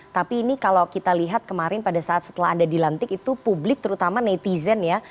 tapi ini kalau kita lihat kemarin pada saat setelah anda dilantik itu publik terutama netizen ya